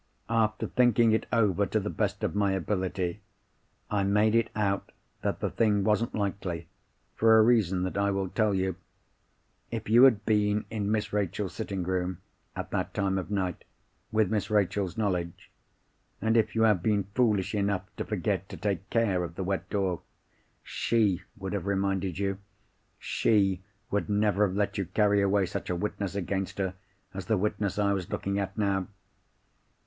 After thinking it over to the best of my ability, I made it out that the thing wasn't likely, for a reason that I will tell you. If you had been in Miss Rachel's sitting room, at that time of night, with Miss Rachel's knowledge (and if you had been foolish enough to forget to take care of the wet door) she would have reminded you—she would never have let you carry away such a witness against her, as the witness I was looking at now!